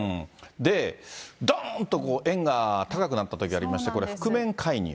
で、どーんとドルが円が高くなったときがありまして、これ、覆面介入。